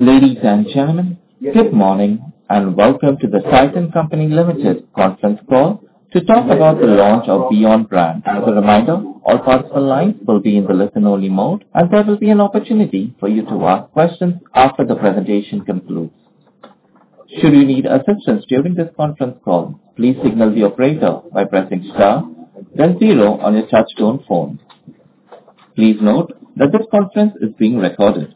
Ladies and gentlemen, good morning and welcome to the Titan Company Limited conference call to talk about the launch of beYon Brand. As a reminder, all participants' lines will be in the listen-only mode, and there will be an opportunity for you to ask questions after the presentation concludes. Should you need assistance during this conference call, please signal the operator by pressing star, then zero on your touch-tone phone. Please note that this conference is being recorded.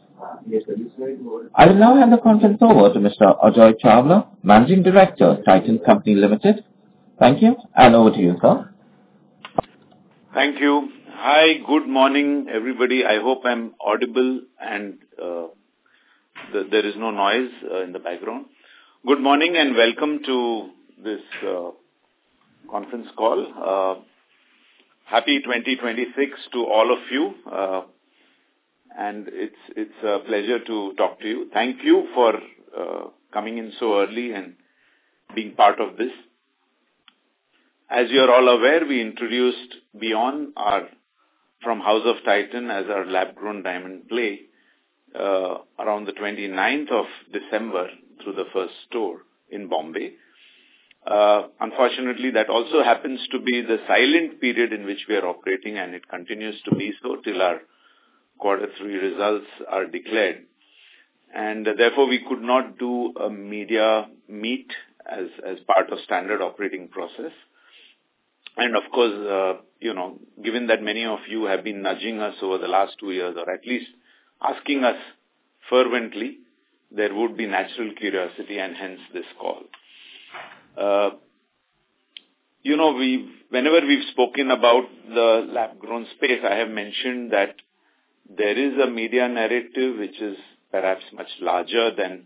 I will now hand the conference over to Mr. Ajoy Chawla, Managing Director, Titan Company Limited. Thank you, and over to you, sir. Thank you. Hi, good morning, everybody. I hope I'm audible and there is no noise in the background. Good morning and welcome to this conference call. Happy 2026 to all of you, and it's a pleasure to talk to you. Thank you for coming in so early and being part of this. As you're all aware, we introduced beYon from House of Titan as our lab-grown diamond play around the 29th of December through the first store in Mumbai. Unfortunately, that also happens to be the silent period in which we are operating, and it continues to be so till our quarter three results are declared, and therefore, we could not do a media meet as part of the standard operating process. And of course, given that many of you have been nudging us over the last two years, or at least asking us fervently, there would be natural curiosity and hence this call. Whenever we've spoken about the lab-grown space, I have mentioned that there is a media narrative which is perhaps much larger than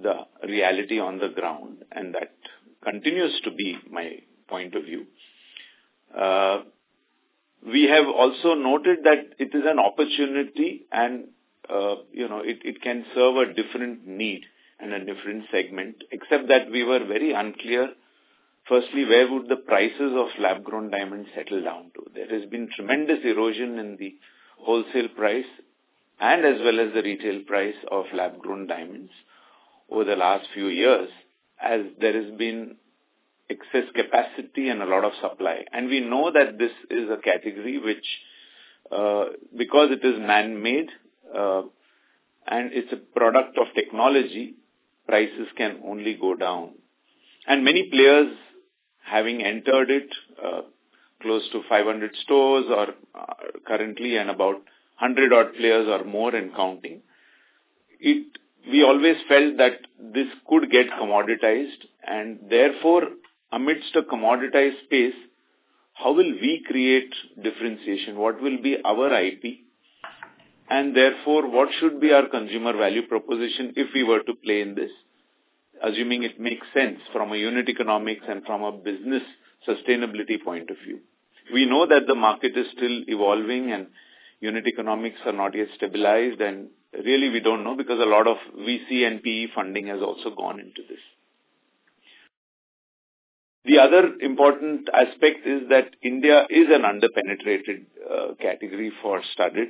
the reality on the ground, and that continues to be my point of view. We have also noted that it is an opportunity, and it can serve a different need and a different segment, except that we were very unclear, firstly, where would the prices of lab-grown diamonds settle down to? There has been tremendous erosion in the wholesale price and as well as the retail price of lab-grown diamonds over the last few years as there has been excess capacity and a lot of supply. And we know that this is a category which, because it is man-made and it's a product of technology, prices can only go down. And many players having entered it, close to 500 stores currently and about 100 odd players or more and counting, we always felt that this could get commoditized. And therefore, amidst a commoditized space, how will we create differentiation? What will be our IP? And therefore, what should be our consumer value proposition if we were to play in this, assuming it makes sense from a unit economics and from a business sustainability point of view? We know that the market is still evolving, and unit economics are not yet stabilized. And really, we don't know because a lot of VC and PE funding has also gone into this. The other important aspect is that India is an under-penetrated category for studded,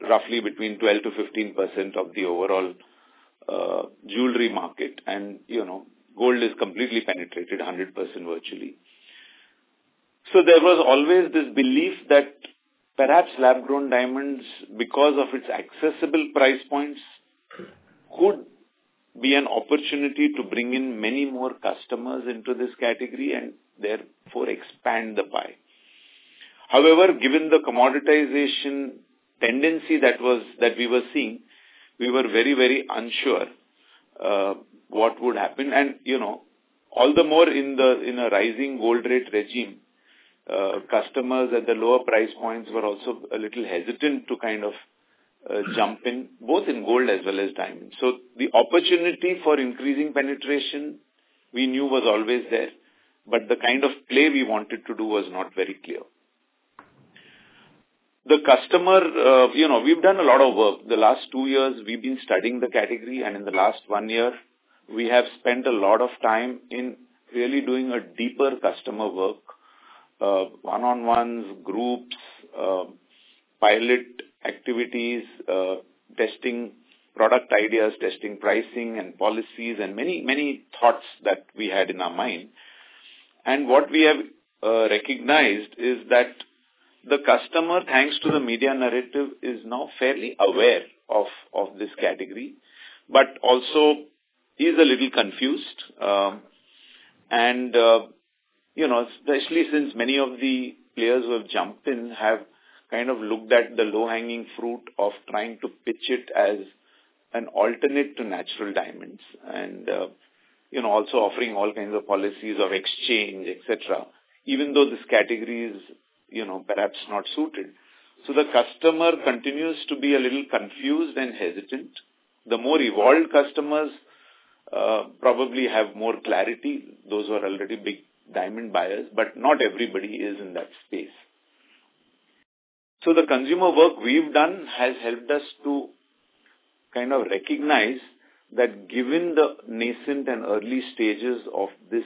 roughly between 12%-15% of the overall jewelry market. And gold is completely penetrated, 100% virtually. So there was always this belief that perhaps lab-grown diamonds, because of its accessible price points, could be an opportunity to bring in many more customers into this category and therefore expand the pie. However, given the commoditization tendency that we were seeing, we were very, very unsure what would happen. And all the more in a rising gold rate regime, customers at the lower price points were also a little hesitant to kind of jump in, both in gold as well as diamond. So the opportunity for increasing penetration, we knew, was always there, but the kind of play we wanted to do was not very clear. The customer, we've done a lot of work. The last two years, we've been studying the category, and in the last one year, we have spent a lot of time in really doing a deeper customer work, one-on-ones, groups, pilot activities, testing product ideas, testing pricing and policies, and many thoughts that we had in our mind. And what we have recognized is that the customer, thanks to the media narrative, is now fairly aware of this category, but also is a little confused. And especially since many of the players who have jumped in have kind of looked at the low-hanging fruit of trying to pitch it as an alternate to natural diamonds and also offering all kinds of policies of exchange, etc., even though this category is perhaps not suited. So the customer continues to be a little confused and hesitant. The more evolved customers probably have more clarity. Those who are already big diamond buyers, but not everybody is in that space. So the consumer work we've done has helped us to kind of recognize that given the nascent and early stages of this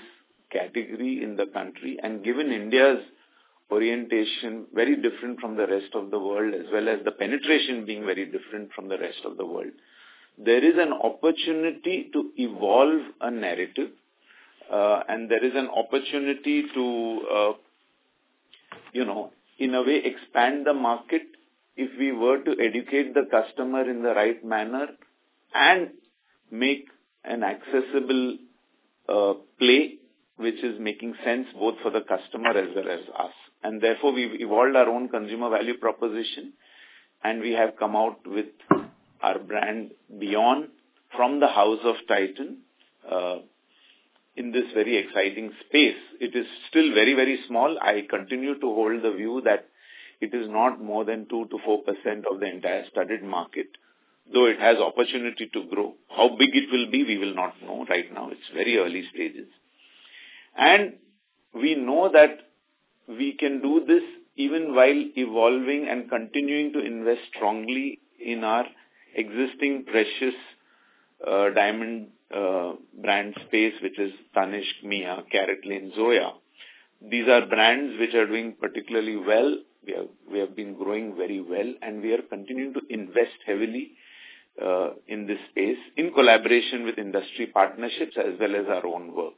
category in the country and given India's orientation very different from the rest of the world, as well as the penetration being very different from the rest of the world, there is an opportunity to evolve a narrative, and there is an opportunity to, in a way, expand the market if we were to educate the customer in the right manner and make an accessible play which is making sense both for the customer as well as us. And therefore, we've evolved our own consumer value proposition, and we have come out with our brand beYon from the House of Titan in this very exciting space. It is still very, very small. I continue to hold the view that it is not more than 2%-4% of the entire studded market, though it has the opportunity to grow. How big it will be, we will not know right now. It's very early stages. And we know that we can do this even while evolving and continuing to invest strongly in our existing precious diamond brand space, which is Tanishq, Mia, CaratLane, Zoya. These are brands which are doing particularly well. We have been growing very well, and we are continuing to invest heavily in this space in collaboration with industry partnerships as well as our own work.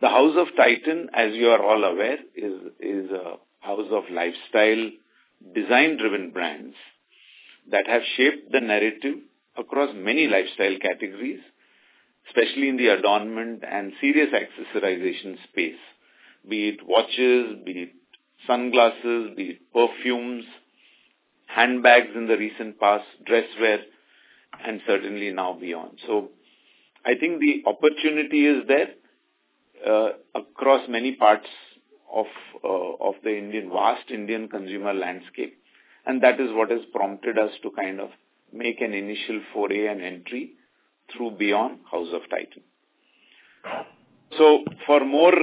The House of Titan, as you are all aware, is a house of lifestyle design-driven brands that have shaped the narrative across many lifestyle categories, especially in the adornment and serious accessorization space, be it watches, be it sunglasses, be it perfumes, handbags in the recent past, dress wear, and certainly now beYon. So I think the opportunity is there across many parts of the vast Indian consumer landscape, and that is what has prompted us to kind of make an initial foray and entry through beYon House of Titan. So for more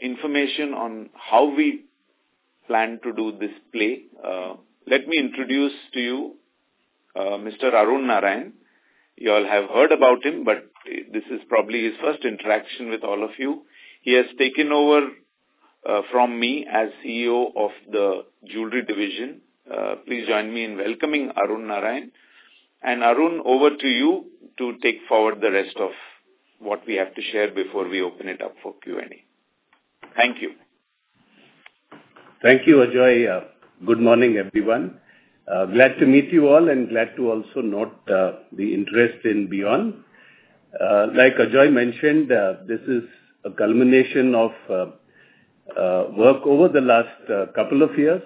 information on how we plan to do this play, let me introduce to you Mr. Arun Narayan. You all have heard about him, but this is probably his first interaction with all of you. He has taken over from me as CEO of the Jewelry Division. Please join me in welcoming Arun Narayan. Arun, over to you to take forward the rest of what we have to share before we open it up for Q&A. Thank you. Thank you, Ajoy. Good morning, everyone. Glad to meet you all and glad to also note the interest in beYon. Like Ajoy mentioned, this is a culmination of work over the last couple of years,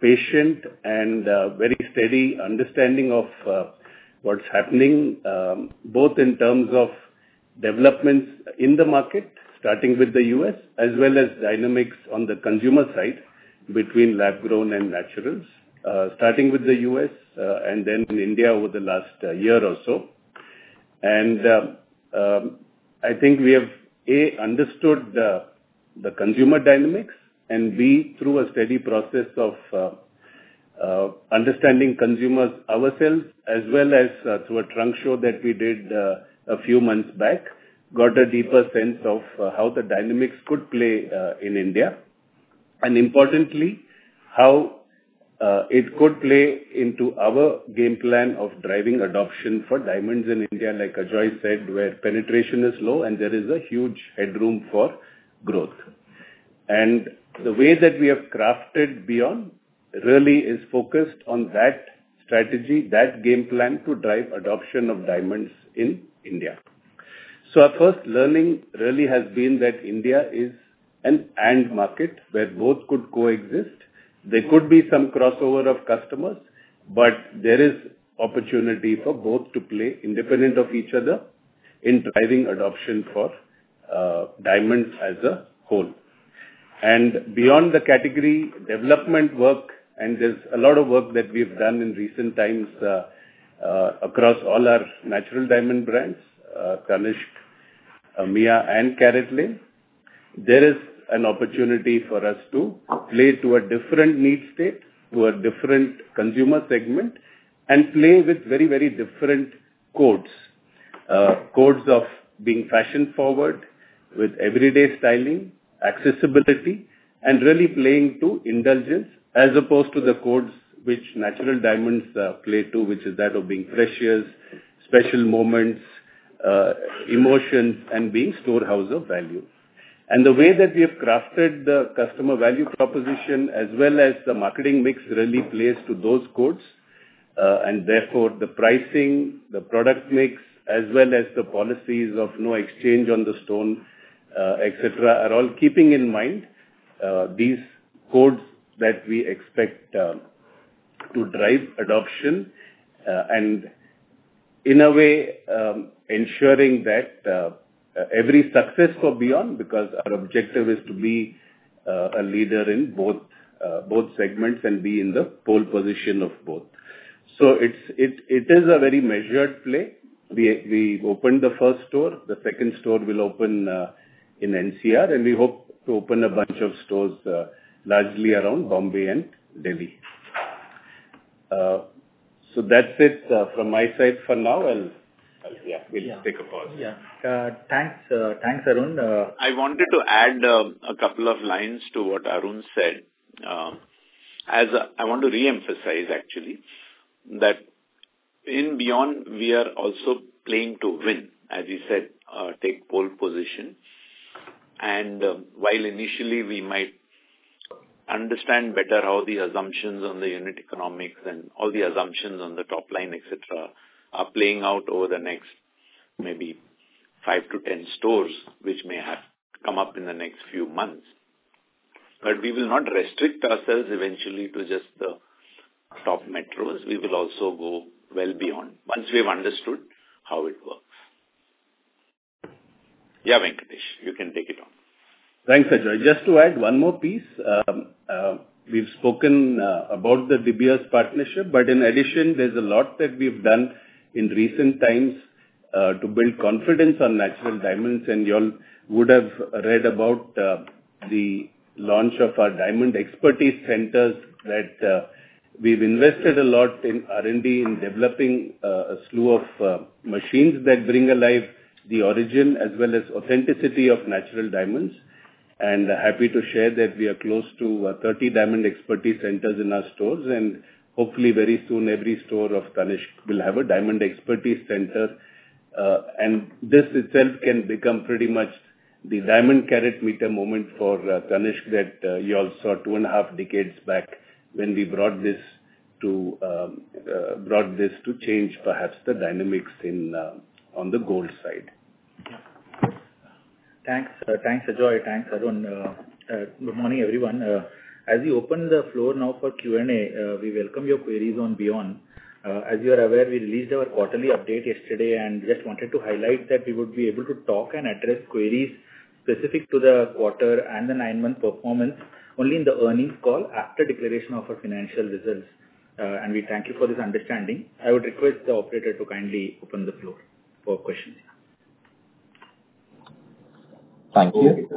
patient and very steady understanding of what's happening both in terms of developments in the market, starting with the U.S., as well as dynamics on the consumer side between lab-grown and naturals, starting with the U.S. and then India over the last year or so, and I think we have, A, understood the consumer dynamics, and B, through a steady process of understanding consumers ourselves, as well as through a trunk show that we did a few months back, got a deeper sense of how the dynamics could play in India. Importantly, how it could play into our game plan of driving adoption for diamonds in India, like Ajoy said, where penetration is low and there is a huge headroom for growth. The way that we have crafted beYon really is focused on that strategy, that game plan to drive adoption of diamonds in India. Our first learning really has been that India is an end market where both could coexist. There could be some crossover of customers, but there is opportunity for both to play independent of each other in driving adoption for diamonds as a whole. And beyond the category development work, and there's a lot of work that we've done in recent times across all our natural diamond brands, Tanishq, Mia, and CaratLane, there is an opportunity for us to play to a different need state, to a different consumer segment, and play with very, very different codes, codes of being fashion-forward with everyday styling, accessibility, and really playing to indulgence as opposed to the codes which natural diamonds play to, which is that of being precious, special moments, emotions, and being storehouse of value. And the way that we have crafted the customer value proposition as well as the marketing mix really plays to those codes. And therefore, the pricing, the product mix, as well as the policies of no exchange on the stone, etc., are all keeping in mind these codes that we expect to drive adoption and, in a way, ensuring that every success for beYon, because our objective is to be a leader in both segments and be in the pole position of both. So it is a very measured play. We opened the first store. The second store will open in NCR, and we hope to open a bunch of stores largely around Bombay and Delhi. So that's it from my side for now. Yeah, we'll take a pause. Yeah. Thanks, Arun. I wanted to add a couple of lines to what Arun said. I want to reemphasize, actually, that in beYon, we are also playing to win, as you said, take pole position. And while initially we might understand better how the assumptions on the unit economics and all the assumptions on the top line, etc., are playing out over the next maybe five to 10 stores, which may have come up in the next few months. But we will not restrict ourselves eventually to just the top metros. We will also go well beyond once we have understood how it works. Yeah, Venkatesh, you can take it on. Thanks, Ajoy. Just to add one more piece. We've spoken about the De Beers partnership, but in addition, there's a lot that we've done in recent times to build confidence on natural diamonds. You all would have read about the launch of our Diamond Expertise Centers that we've invested a lot in R&D in developing a slew of machines that bring alive the origin as well as authenticity of natural diamonds. Happy to share that we are close to 30 Diamond Expertise Centers in our stores. Hopefully, very soon, every store of Tanishq will have a diamond expertise center. This itself can become pretty much the diamond Karatmeter moment for Tanishq that you all saw two and a half decades back when we brought this to change, perhaps, the dynamics on the gold side. Thanks, Ajoy. Thanks, Arun. Good morning, everyone. As we open the floor now for Q&A, we welcome your queries on beYon. As you are aware, we released our quarterly update yesterday and just wanted to highlight that we would be able to talk and address queries specific to the quarter and the nine-month performance only in the earnings call after declaration of our financial results, and we thank you for this understanding. I would request the operator to kindly open the floor for questions. Thank you.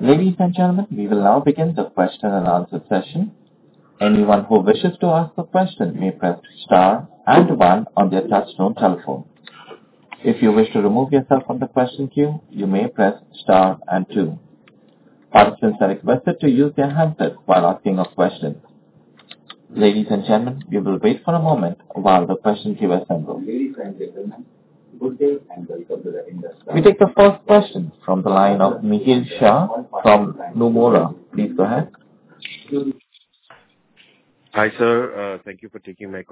Maybe gentlemen, we will now begin the question and answer session. Anyone who wishes to ask a question may press star and one on their touch-tone telephone. If you wish to remove yourself from the question queue, you may press star and two. Participants are requested to use their handset while asking a question. Ladies and gentlemen, we will wait for a moment while the question queue assembles. We take the first question from the line of Mihir Shah from Nomura. Please go ahead. Hi, sir. Thank you for taking my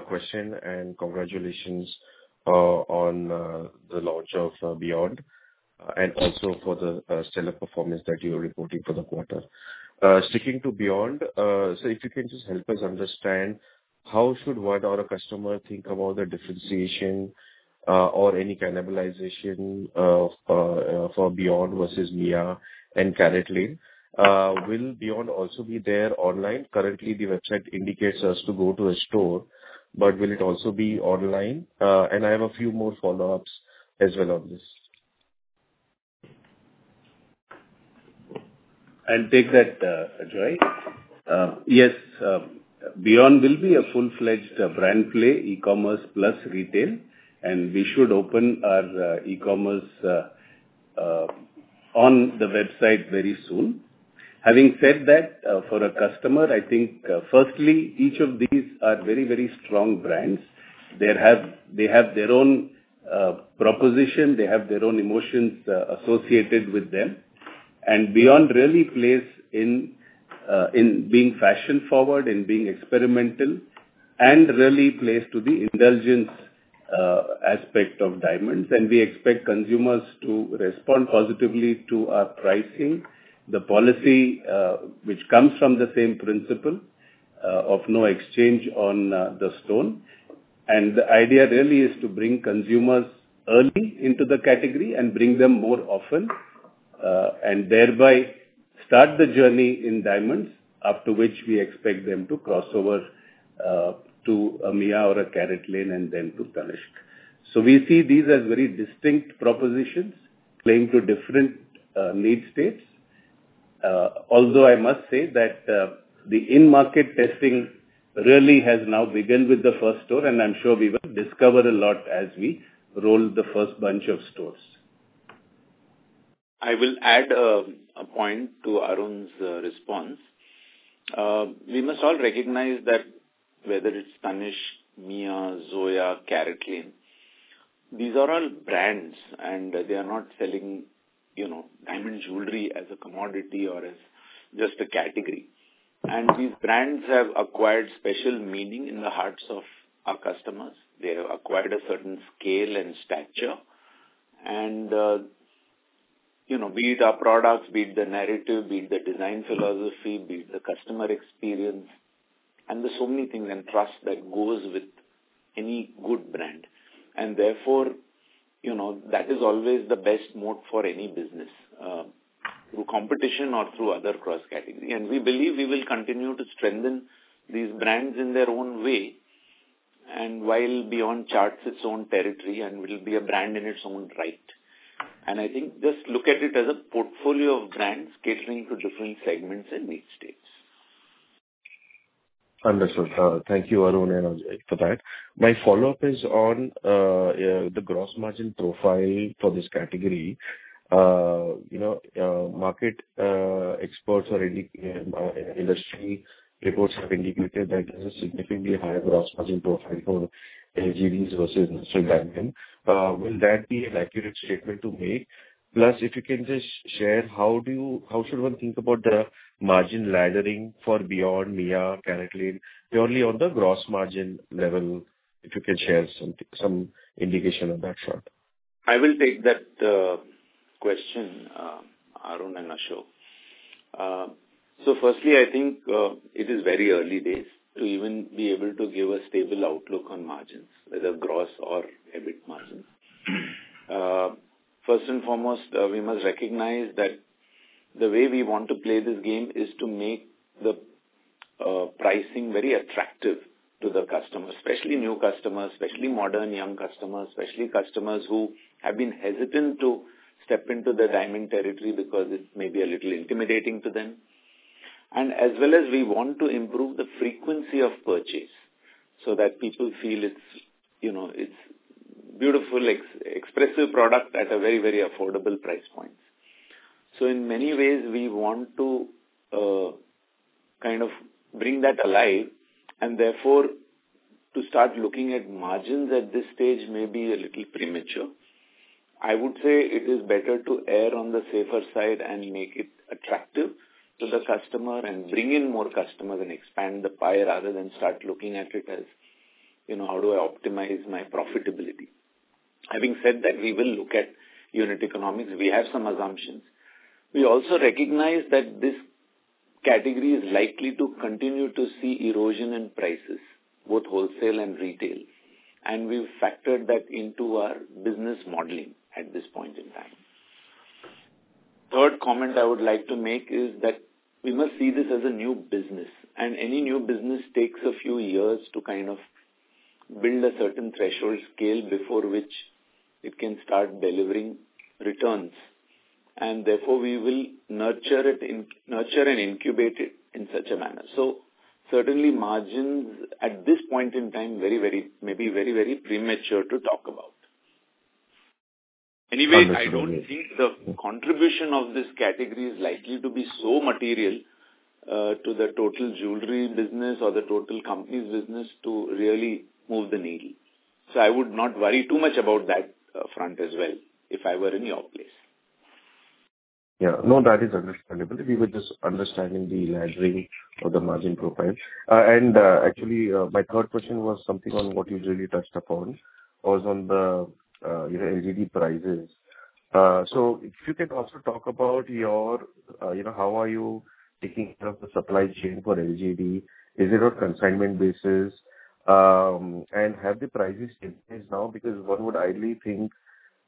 question and congratulations on the launch of beYon and also for the stellar performance that you are reporting for the quarter. Sticking to beYon, so if you can just help us understand how should one or a customer think about the differentiation or any cannibalization for beYon versus Mia and CaratLane? Will beYon also be there online? Currently, the website indicates us to go to a store, but will it also be online? And I have a few more follow-ups as well on this. I'll take that, Ajoy. Yes, beYon will be a full-fledged brand play, e-commerce plus retail, and we should open our e-commerce on the website very soon. Having said that, for a customer, I think, firstly, each of these are very, very strong brands. They have their own proposition. They have their own emotions associated with them. And beYon really plays in being fashion-forward and being experimental and really plays to the indulgence aspect of diamonds. And we expect consumers to respond positively to our pricing, the policy which comes from the same principle of no exchange on the stone. And the idea really is to bring consumers early into the category and bring them more often and thereby start the journey in diamonds, after which we expect them to cross over to a Mia or a CaratLane and then to Tanishq. So we see these as very distinct propositions playing to different need states. Although I must say that the in-market testing really has now begun with the first store, and I'm sure we will discover a lot as we roll the first bunch of stores. I will add a point to Arun's response. We must all recognize that whether it's Tanishq, Mia, Zoya, CaratLane, these are all brands, and they are not selling diamond jewelry as a commodity or as just a category. These brands have acquired special meaning in the hearts of our customers. They have acquired a certain scale and stature. Be it our products, be it the narrative, be it the design philosophy, be it the customer experience, and there's so many things and trust that goes with any good brand. Therefore, that is always the best moat for any business through competition or through other cross-category. We believe we will continue to strengthen these brands in their own way and while beYon charts its own territory and will be a brand in its own right. I think just look at it as a portfolio of brands catering to different segments and need states. Understood. Thank you, Arun and Ajoy, for that. My follow-up is on the gross margin profile for this category. Market experts or industry reports have indicated that there's a significantly higher gross margin profile for LGDs versus natural diamond. Will that be an accurate statement to make? Plus, if you can just share, how should one think about the margin laddering for beYon, Mia, CaratLane purely on the gross margin level? If you can share some indication on that short. I will take that question, Arun and Ajoy. So firstly, I think it is very early days to even be able to give a stable outlook on margins, whether gross or EBIT margins. First and foremost, we must recognize that the way we want to play this game is to make the pricing very attractive to the customer, especially new customers, especially modern young customers, especially customers who have been hesitant to step into the diamond territory because it may be a little intimidating to them. And as well as we want to improve the frequency of purchase so that people feel it's beautiful, expressive product at a very, very affordable price point. So in many ways, we want to kind of bring that alive and therefore to start looking at margins at this stage may be a little premature. I would say it is better to err on the safer side and make it attractive to the customer and bring in more customers and expand the pie rather than start looking at it as, "How do I optimize my profitability?" Having said that, we will look at unit economics. We have some assumptions. We also recognize that this category is likely to continue to see erosion in prices, both wholesale and retail. And we've factored that into our business modeling at this point in time. Third comment I would like to make is that we must see this as a new business. And any new business takes a few years to kind of build a certain threshold scale before which it can start delivering returns. And therefore, we will nurture and incubate it in such a manner. So certainly, margins at this point in time may be very, very premature to talk about. Anyway, I don't think the contribution of this category is likely to be so material to the total jewelry business or the total company's business to really move the needle. So I would not worry too much about that front as well if I were in your place. Yeah. No, that is understandable. We were just understanding the laddering of the margin profile. And actually, my third question was something on what you really touched upon was on the LGD prices. So if you can also talk about how are you taking care of the supply chain for LGD? Is it on consignment basis? And have the prices changed now? Because one would ideally think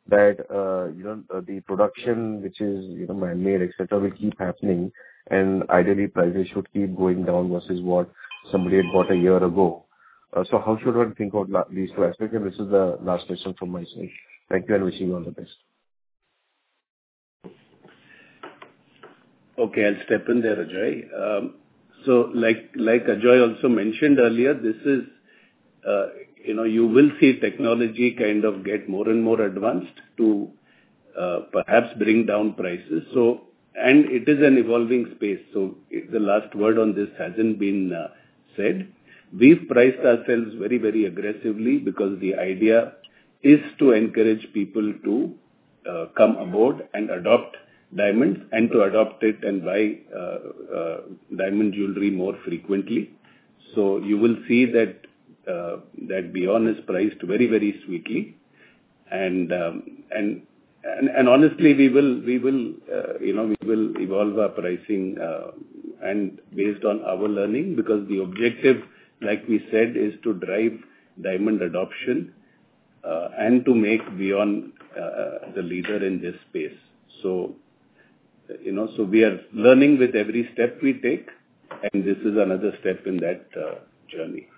that the production, which is manmade, etc., will keep happening and ideally, prices should keep going down versus what somebody had bought a year ago. So how should one think about these two aspects? And this is the last question from my side. Thank you and wishing you all the best. Okay. I'll step in there, Ajoy. So like Ajoy also mentioned earlier, you will see technology kind of get more and more advanced to perhaps bring down prices. And it is an evolving space. So the last word on this hasn't been said. We've priced ourselves very, very aggressively because the idea is to encourage people to come aboard and adopt diamonds and to adopt it and buy diamond jewelry more frequently. So you will see that beYon is priced very, very sweetly. And honestly, we will evolve our pricing and based on our learning because the objective, like we said, is to drive diamond adoption and to make beYon the leader in this space. So we are learning with every step we take, and this is another step in that journey.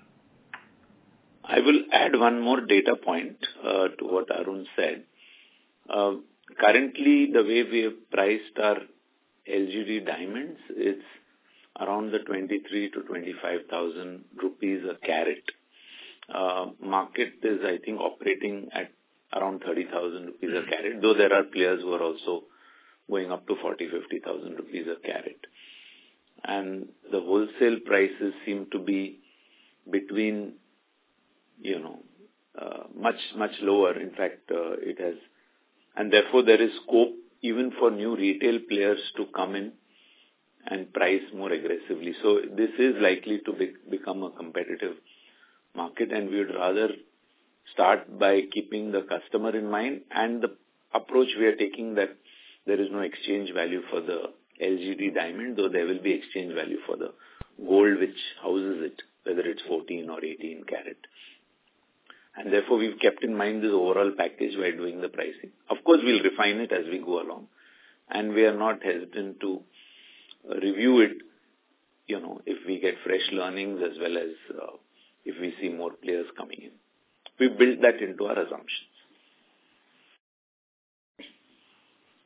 I will add one more data point to what Arun said. Currently, the way we have priced our LGD diamonds is around INR 23,000-INR 25,000 a carat. Market is, I think, operating at around 30,000 rupees a carat, though there are players who are also going up to 40,000, 50,000 rupees a carat, and the wholesale prices seem to be much, much lower. In fact, it has, and therefore, there is scope even for new retail players to come in and price more aggressively, so this is likely to become a competitive market, and we would rather start by keeping the customer in mind, and the approach we are taking that there is no exchange value for the LGD diamond, though there will be exchange value for the gold which houses it, whether it's 14 or 18 karat. And therefore, we've kept in mind this overall package while doing the pricing. Of course, we'll refine it as we go along. And we are not hesitant to review it if we get fresh learnings as well as if we see more players coming in. We've built that into our assumptions.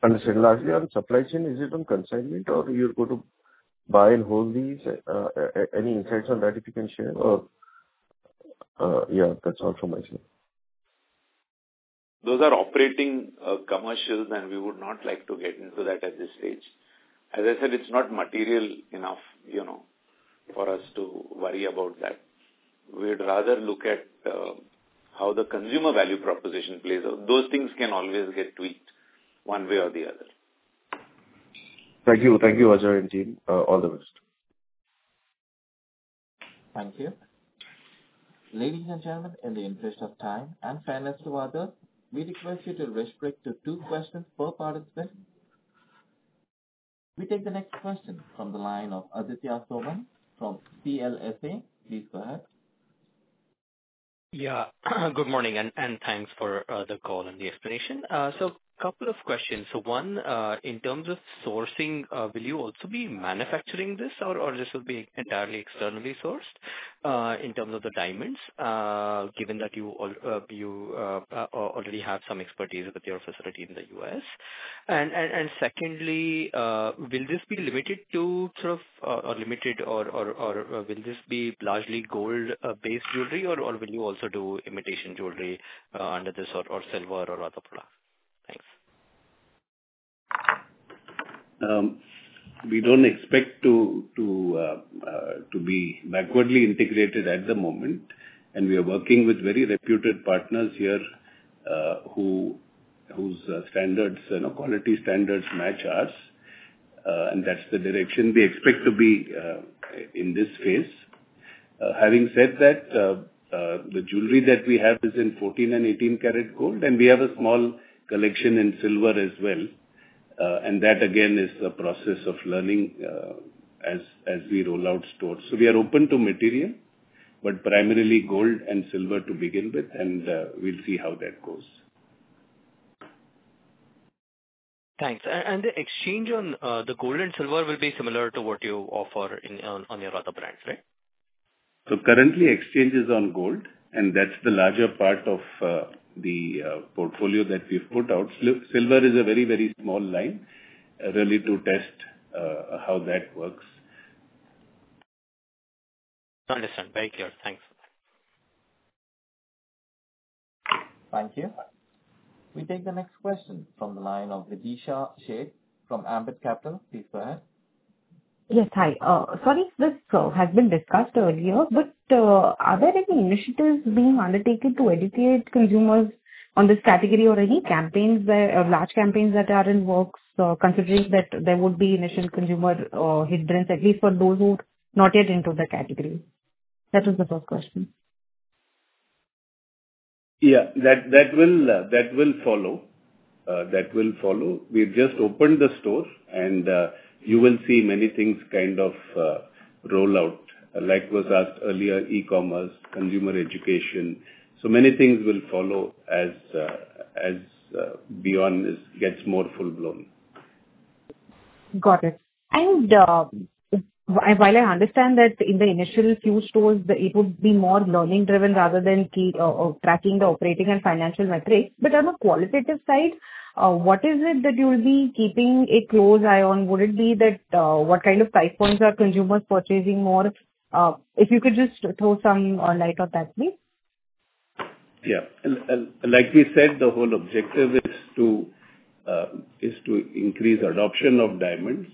Understood. Lastly, on supply chain, is it on consignment, or you're going to buy and hold these? Any insights on that if you can share? Or yeah, that's all from my side. Those are operating commercials, and we would not like to get into that at this stage. As I said, it's not material enough for us to worry about that. We'd rather look at how the consumer value proposition plays. Those things can always get tweaked one way or the other. Thank you. Thank you, Ajoy and team. All the best. Thank you. Ladies and gentlemen, in the interest of time and fairness to others, we request you to restrict to two questions per participant. We take the next question from the line of Aditya Soman from CLSA. Please go ahead. Yeah. Good morning, and thanks for the call and the explanation. So a couple of questions. So one, in terms of sourcing, will you also be manufacturing this, or this will be entirely externally sourced in terms of the diamonds, given that you already have some expertise with your facility in the U.S.? And secondly, will this be limited to sort of or limited, or will this be largely gold-based jewelry, or will you also do imitation jewelry under this or silver or other products? Thanks. We don't expect to be backwardly integrated at the moment, and we are working with very reputed partners here whose quality standards match ours. And that's the direction we expect to be in this phase. Having said that, the jewelry that we have is in 14- and 18-karat gold, and we have a small collection in silver as well. And that, again, is the process of learning as we roll out stores. So we are open to material, but primarily gold and silver to begin with, and we'll see how that goes. Thanks. And the exchange on the gold and silver will be similar to what you offer on your other brands, right? Currently, exchange is on gold, and that's the larger part of the portfolio that we've put out. Silver is a very, very small line, really to test how that works. Understood. Very clear. Thanks. Thank you. We take the next question from the line of Videesha Sheth from Ambit Capital. Please go ahead. Yes. Hi. Sorry, this has been discussed earlier, but are there any initiatives being undertaken to educate consumers on this category or any large campaigns that are in works, considering that there would be initial consumer hindrance, at least for those who are not yet into the category? That was the first question. Yeah. That will follow. That will follow. We've just opened the store, and you will see many things kind of roll out, like was asked earlier, e-commerce, consumer education. So many things will follow as beYon gets more full-blown. Got it. And while I understand that in the initial few stores, it would be more learning-driven rather than tracking the operating and financial metrics, but on a qualitative side, what is it that you'll be keeping a close eye on? Would it be that what kind of price points are consumers purchasing more? If you could just throw some light on that, please. Yeah. Like we said, the whole objective is to increase adoption of diamonds.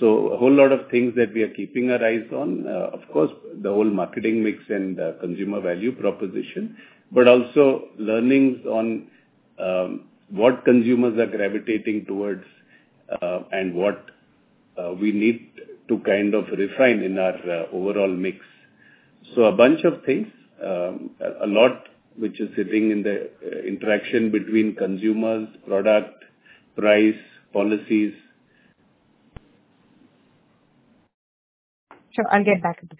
So a whole lot of things that we are keeping our eyes on, of course, the whole marketing mix and consumer value proposition, but also learnings on what consumers are gravitating towards and what we need to kind of refine in our overall mix. So a bunch of things, a lot which is sitting in the interaction between consumers, product, price, policies. Sure. I'll get back to you.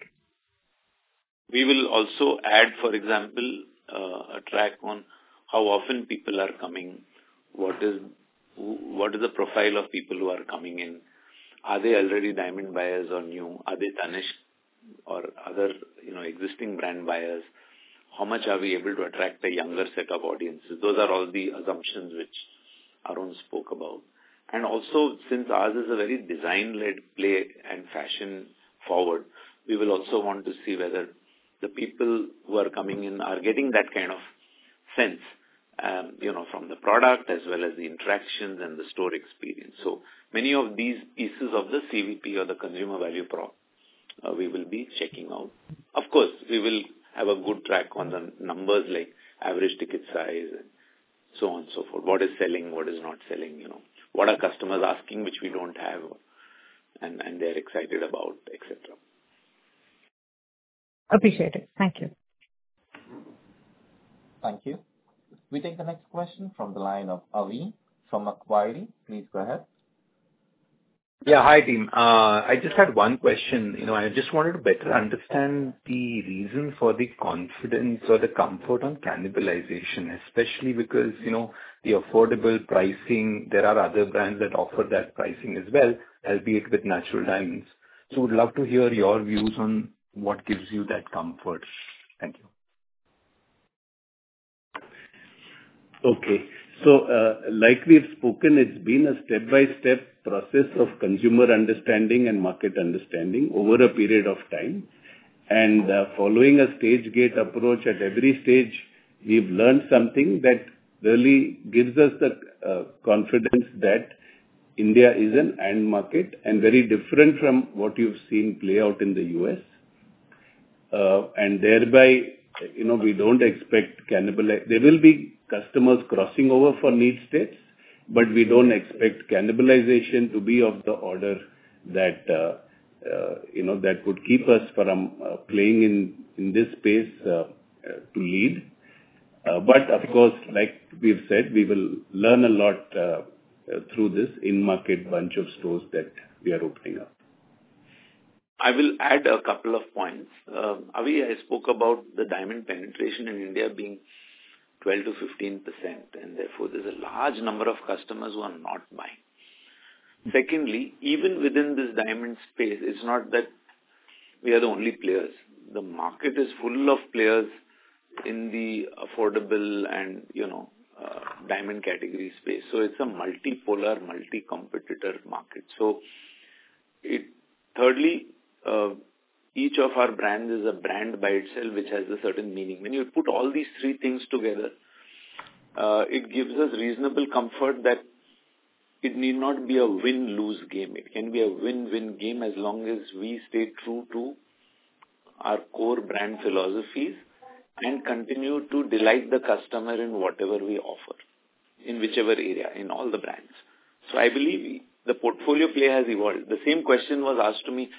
We will also add, for example, a track on how often people are coming, what is the profile of people who are coming in, are they already diamond buyers or new, are they Tanishq or other existing brand buyers, how much are we able to attract a younger set of audiences. Those are all the assumptions which Arun spoke about, and also, since ours is a very design-led play and fashion-forward, we will also want to see whether the people who are coming in are getting that kind of sense from the product as well as the interactions and the store experience, so many of these pieces of the CVP or the consumer value prop, we will be checking out. Of course, we will have a good track on the numbers like average ticket size and so on and so forth. What is selling, what is not selling, what are customers asking which we don't have and they're excited about, etc. Appreciate it. Thank you. Thank you. We take the next question from the line of Avi from Macquarie. Please go ahead. Yeah. Hi, team. I just had one question. I just wanted to better understand the reason for the confidence or the comfort on cannibalization, especially because the affordable pricing, there are other brands that offer that pricing as well, albeit with natural diamonds. So we'd love to hear your views on what gives you that comfort. Thank you. Okay. So like we've spoken, it's been a step-by-step process of consumer understanding and market understanding over a period of time, and following a stage-gate approach at every stage, we've learned something that really gives us the confidence that India is an end market and very different from what you've seen play out in the U.S. And thereby, we don't expect cannibalization. There will be customers crossing over for need states, but we don't expect cannibalization to be of the order that would keep us from playing in this space to lead, but of course, like we've said, we will learn a lot through this in-market bunch of stores that we are opening up. I will add a couple of points. Avi, I spoke about the diamond penetration in India being 12%-15%, and therefore, there's a large number of customers who are not buying. Secondly, even within this diamond space, it's not that we are the only players. The market is full of players in the affordable and diamond category space. So thirdly, each of our brands is a brand by itself, which has a certain meaning. When you put all these three things together, it gives us reasonable comfort that it need not be a win-lose game. It can be a win-win game as long as we stay true to our core brand philosophies and continue to delight the customer in whatever we offer, in whichever area, in all the brands. So I believe the portfolio play has evolved. The same question was asked to me,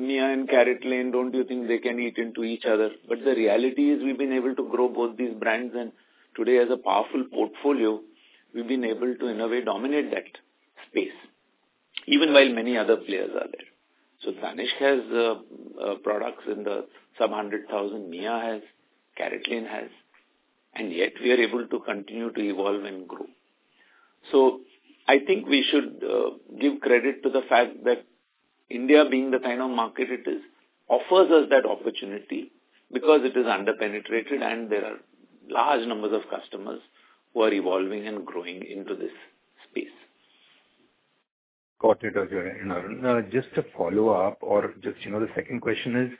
"Mia and CaratLane, don't you think they can eat into each other?" But the reality is we've been able to grow both these brands, and today, as a powerful portfolio, we've been able to in a way dominate that space, even while many other players are there. So Tanishq has products in the sub-100,000, Mia has, CaratLane has, and yet we are able to continue to evolve and grow. So I think we should give credit to the fact that India, being the kind of market it is, offers us that opportunity because it is under-penetrated, and there are large numbers of customers who are evolving and growing into this space. Got it, Ajoy and Arun. Just to follow up, or just the second question is,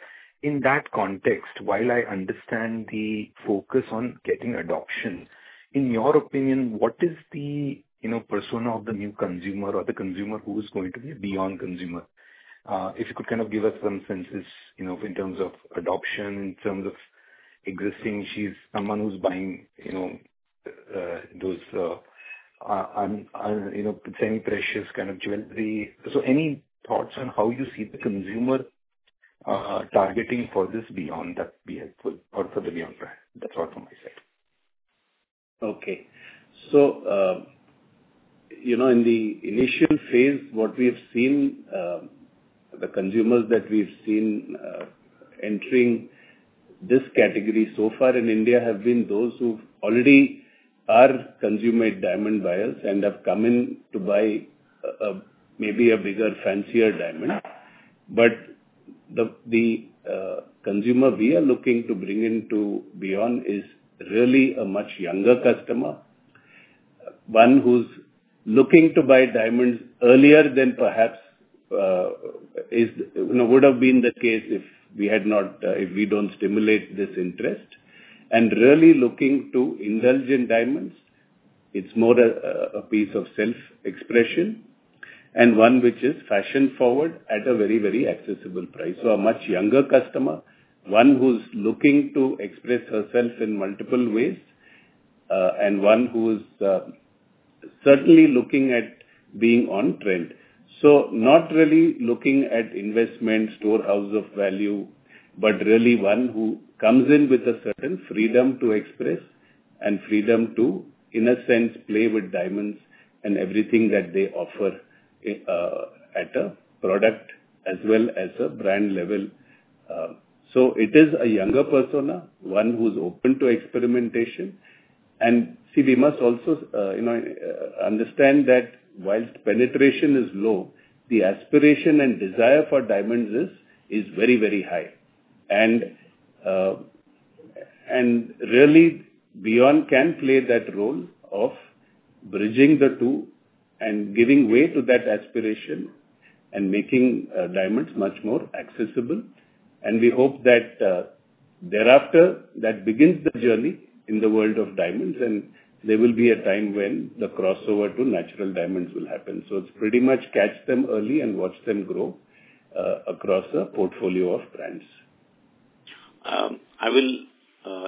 in that context, while I understand the focus on getting adoption, in your opinion, what is the persona of the new consumer or the consumer who is going to be a beYon consumer? If you could kind of give us some senses in terms of adoption, in terms of existing, she's someone who's buying those semi-precious kind of jewelry. So any thoughts on how you see the consumer targeting for this beyond, that would be helpful, or for the beYon brand? That's all from my side. Okay. So in the initial phase, what we've seen, the consumers that we've seen entering this category so far in India have been those who already are consumer diamond buyers and have come in to buy maybe a bigger, fancier diamond. But the consumer we are looking to bring into beYon is really a much younger customer, one who's looking to buy diamonds earlier than perhaps would have been the case if we don't stimulate this interest. And really looking to indulge in diamonds, it's more a piece of self-expression and one which is fashion-forward at a very, very accessible price. So a much younger customer, one who's looking to express herself in multiple ways, and one who's certainly looking at being on-trend. So not really looking at investment, storehouse of value, but really one who comes in with a certain freedom to express and freedom to, in a sense, play with diamonds and everything that they offer at a product as well as a brand level. So it is a younger persona, one who's open to experimentation. See, we must also understand that while penetration is low, the aspiration and desire for diamonds is very, very high. Really, beYon can play that role of bridging the two and giving way to that aspiration and making diamonds much more accessible. We hope that thereafter, that begins the journey in the world of diamonds, and there will be a time when the crossover to natural diamonds will happen. It's pretty much catch them early and watch them grow across a portfolio of brands. I will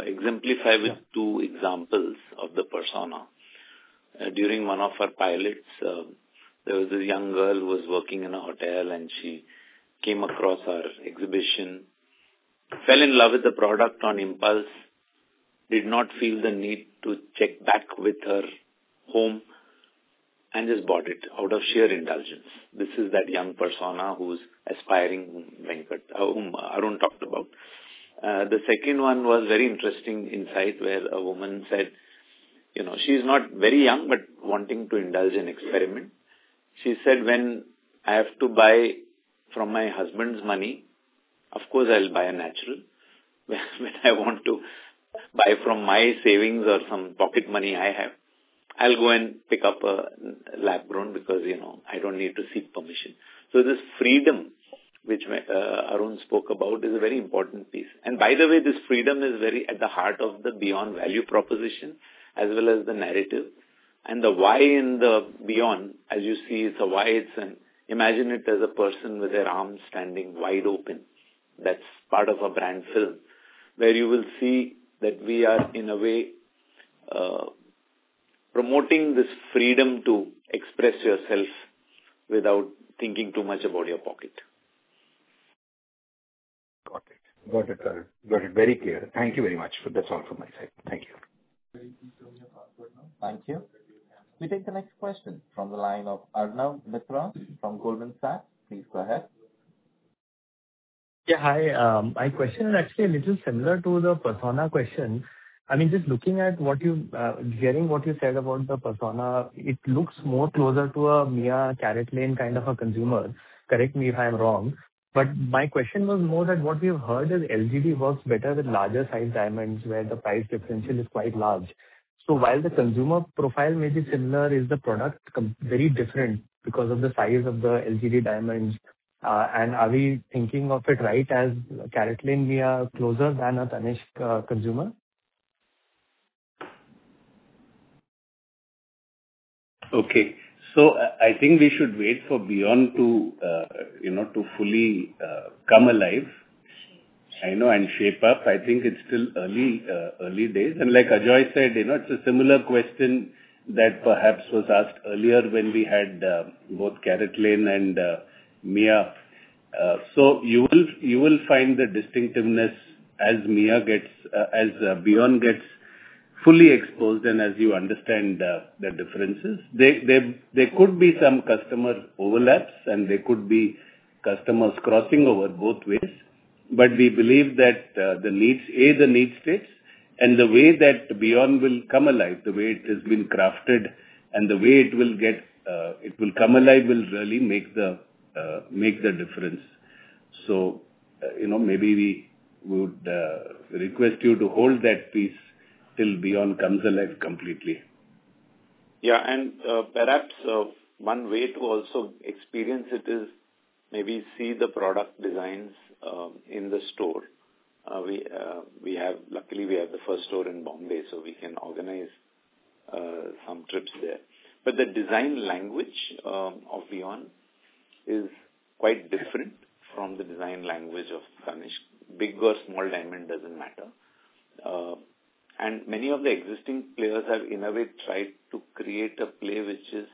exemplify with two examples of the persona. During one of our pilots, there was a young girl who was working in a hotel, and she came across our exhibition, fell in love with the product on impulse, did not feel the need to check back with her home, and just bought it out of sheer indulgence. This is that young persona who's aspiring Venkataraman, Arun talked about. The second one was a very interesting insight where a woman said, "She's not very young, but wanting to indulge and experiment." She said, "When I have to buy from my husband's money, of course, I'll buy a natural. When I want to buy from my savings or some pocket money I have, I'll go and pick up a lab grown because I don't need to seek permission." So this freedom which Arun spoke about is a very important piece. And by the way, this freedom is very at the heart of the beYon value proposition as well as the narrative. And the why in the beYon, as you see, it's a why. Imagine it as a person with their arms standing wide open. That's part of a brand film where you will see that we are, in a way, promoting this freedom to express yourself without thinking too much about your pocket. Got it. Got it, Arun. Got it. Very clear. Thank you very much. That's all from my side. Thank you. Thank you. We take the next question from the line of Arnab Mitra from Goldman Sachs. Please go ahead. Yeah. Hi. My question is actually a little similar to the persona question. I mean, just looking at what you're hearing, what you said about the persona, it looks more closer to a Mia CaratLane kind of a consumer. Correct me if I'm wrong. But my question was more that what we've heard is LGD works better with larger-sized diamonds where the price differential is quite large. So while the consumer profile may be similar, is the product very different because of the size of the LGD diamonds? And are we thinking of it right as CaratLane, Mia closer than a Tanishq consumer? Okay. So I think we should wait for beYon to fully come alive, I know, and shape up. I think it's still early days. And like Ajoy said, it's a similar question that perhaps was asked earlier when we had both CaratLane and Mia. So you will find the distinctiveness as beYon gets fully exposed and as you understand the differences. There could be some customer overlaps, and there could be customers crossing over both ways. But we believe that the needs, A, the need states, and the way that beYon will come alive, the way it has been crafted and the way it will come alive will really make the difference. So maybe we would request you to hold that piece till beYon comes alive completely. Yeah. And perhaps one way to also experience it is maybe see the product designs in the store. Luckily, we have the first store in Mumbai, so we can organize some trips there. But the design language of beYon is quite different from the design language of Tanishq. Big or small diamond doesn't matter. And many of the existing players have in a way tried to create a play which is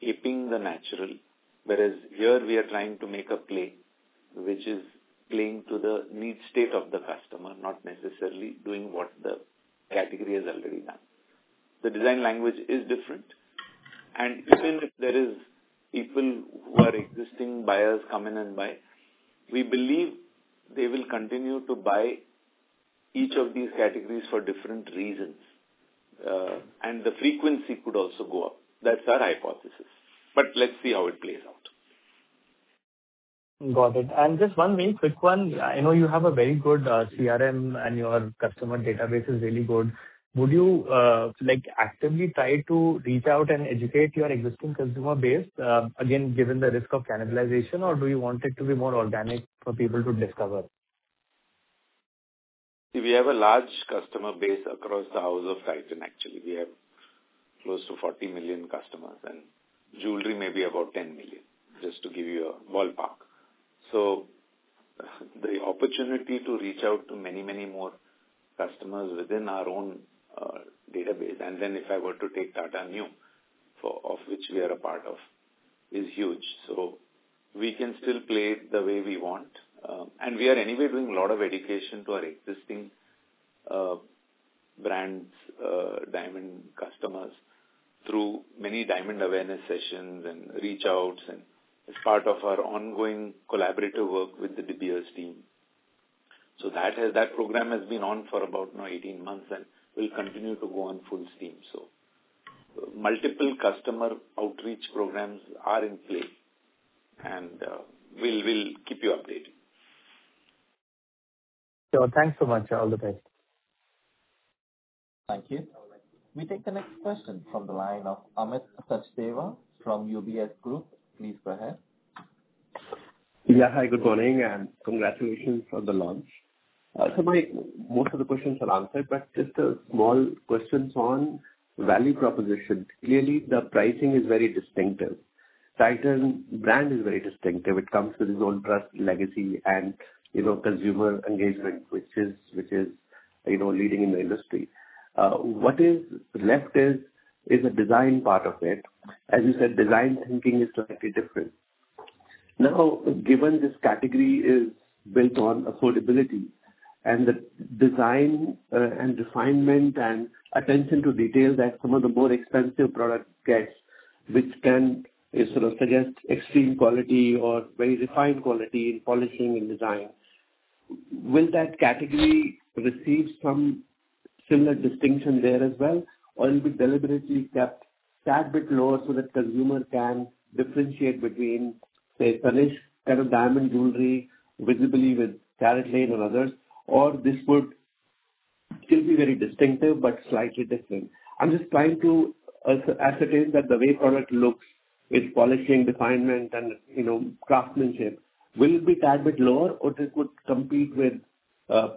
aping the natural, whereas here we are trying to make a play which is playing to the need state of the customer, not necessarily doing what the category has already done. The design language is different. And even if there are existing buyers coming and buying, we believe they will continue to buy each of these categories for different reasons. And the frequency could also go up. That's our hypothesis. But let's see how it plays out. Got it. And just one really quick one. I know you have a very good CRM, and your customer database is really good. Would you actively try to reach out and educate your existing consumer base, again, given the risk of cannibalization, or do you want it to be more organic for people to discover? We have a large customer base across the House of Titan, actually. We have close to 40 million customers and jewelry, maybe about 10 million, just to give you a ballpark. The opportunity to reach out to many, many more customers within our own database, and then if I were to take Tata Neu, of which we are a part of, is huge. We can still play the way we want. We are anyway doing a lot of education to our existing brands, diamond customers, through many diamond awareness sessions and reach outs, and it's part of our ongoing collaborative work with the De Beers team. That program has been on for about 18 months and will continue to go on full steam. Multiple customer outreach programs are in play, and we'll keep you updated. Thanks so much. All the best. Thank you. We take the next question from the line of Amit Sachdeva from UBS Group. Please go ahead. Yeah. Hi. Good morning, and congratulations on the launch. So most of the questions are answered, but just a small question on value proposition. Clearly, the pricing is very distinctive. Titan brand is very distinctive. It comes with its own trust, legacy, and consumer engagement, which is leading in the industry. What is left is a design part of it. As you said, design thinking is slightly different. Now, given this category is built on affordability and the design and refinement and attention to detail that some of the more expensive products get, which can sort of suggest extreme quality or very refined quality in polishing and design, will that category receive some similar distinction there as well, or it'll be deliberately kept that bit lower so that consumers can differentiate between, say, Tanishq kind of diamond jewelry visibly with CaratLane or others, or this would still be very distinctive but slightly different? I'm just trying to ascertain that the way product looks with polishing, refinement, and craftsmanship will be that bit lower, or this would compete with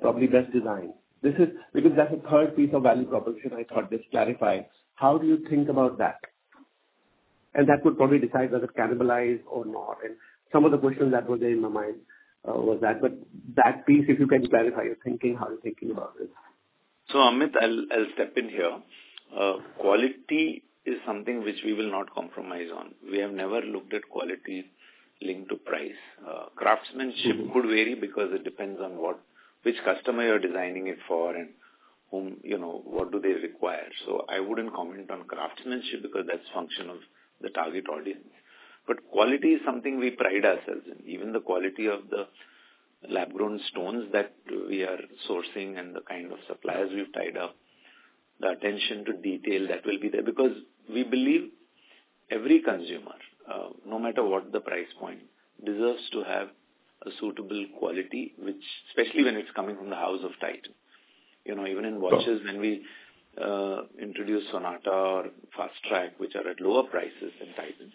probably best design? Because that's a third piece of value proposition I thought just clarified. How do you think about that? And that would probably decide whether cannibalize or not. And some of the questions that were there in my mind was that. But that piece, if you can clarify your thinking, how are you thinking about this? Amit, I'll step in here. Quality is something which we will not compromise on. We have never looked at quality linked to price. Craftsmanship could vary because it depends on which customer you're designing it for and what do they require. I wouldn't comment on craftsmanship because that's functional to the target audience. Quality is something we pride ourselves in. Even the quality of the lab-grown stones that we are sourcing and the kind of suppliers we've tied up, the attention to detail that will be there because we believe every consumer, no matter what the price point, deserves to have a suitable quality, especially when it's coming from the House of Titan. Even in watches, when we introduce Sonata or Fastrack, which are at lower prices than Titan,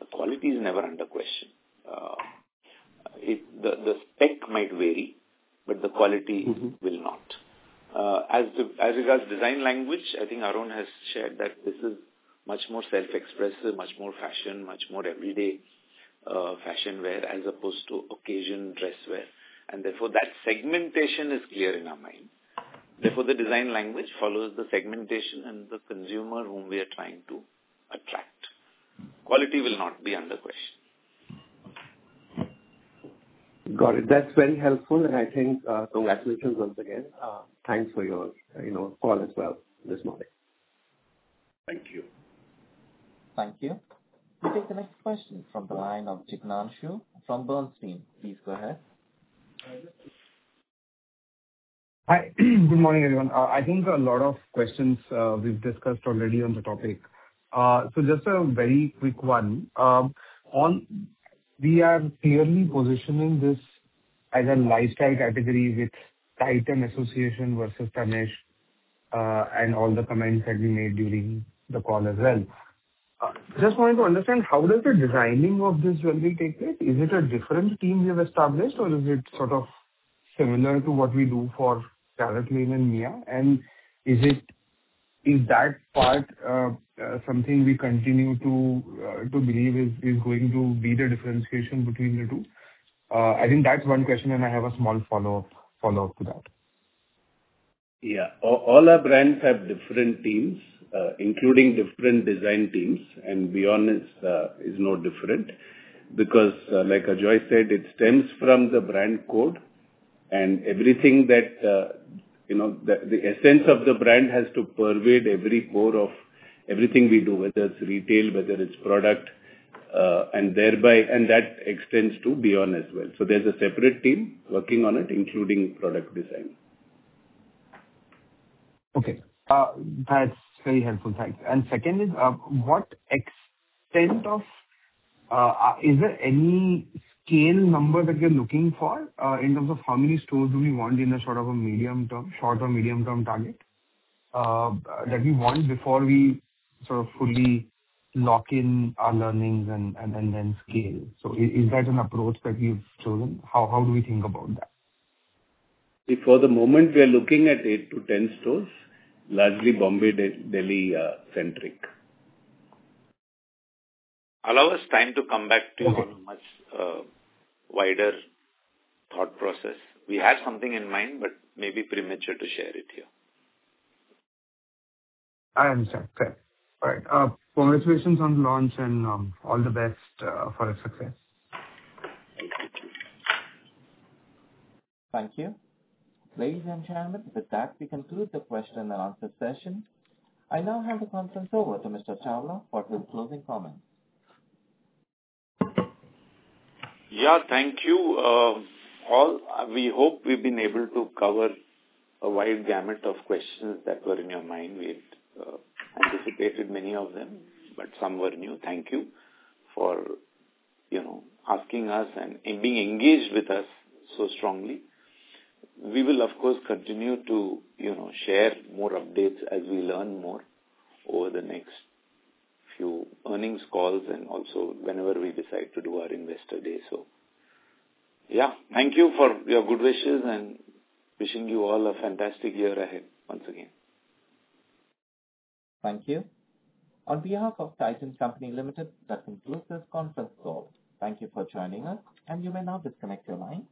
the quality is never under question. The spec might vary, but the quality will not. As regards design language, I think Arun has shared that this is much more self-expressive, much more fashion, much more everyday fashion wear as opposed to occasion dress wear. And therefore, that segmentation is clear in our mind. Therefore, the design language follows the segmentation and the consumer whom we are trying to attract. Quality will not be under question. Got it. That's very helpful. And I think congratulations once again. Thanks for your call as well this morning. Thank you. Thank you. We take the next question from the line of Jignesh from Bernstein. Please go ahead. Hi. Good morning, everyone. I think a lot of questions we've discussed already on the topic. So just a very quick one. We are clearly positioning this as a lifestyle category with Titan assortment versus Tanishq and all the comments that we made during the call as well. Just wanting to understand how does the designing of this jewelry take place? Is it a different team we have established, or is it sort of similar to what we do for CaratLane and Mia? And is that part something we continue to believe is going to be the differentiation between the two? I think that's one question, and I have a small follow-up to that. Yeah. All our brands have different teams, including different design teams, and beYon is no different because, like Ajoy said, it stems from the brand code, and everything that the essence of the brand has to pervade every core of everything we do, whether it's retail, whether it's product, and that extends to beYon as well. So there's a separate team working on it, including product design. Okay. That's very helpful. Thanks, and second is, to what extent is there any scale number that you're looking for in terms of how many stores do you want in a sort of a short or medium-term target that you want before you sort of fully lock in your learnings and then scale? So is that an approach that you've chosen? How do you think about that? For the moment, we are looking at eight to 10 stores, largely Mumbai, Delhi-centric. Allow us time to come back to a much wider thought process. We had something in mind, but maybe premature to share it here. I understand. All right. Congratulations on the launch and all the best for its success. Thank you. Thank you. Ladies and gentlemen, with that, we conclude the question and answer session. I now hand the conference over to Mr. Chawla for his closing comments. Yeah. Thank you all. We hope we've been able to cover a wide gamut of questions that were in your mind. We anticipated many of them, but some were new. Thank you for asking us and being engaged with us so strongly. We will, of course, continue to share more updates as we learn more over the next few earnings calls and also whenever we decide to do our investor day. So yeah, thank you for your good wishes and wishing you all a fantastic year ahead once again. Thank you. On behalf of Titan Company Limited, that concludes this conference call. Thank you for joining us, and you may now disconnect your line.